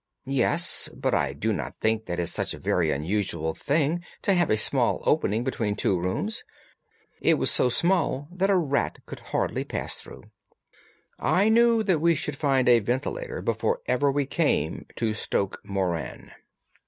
"Yes, but I do not think that it is such a very unusual thing to have a small opening between two rooms. It was so small that a rat could hardly pass through." "I knew that we should find a ventilator before ever we came to Stoke Moran."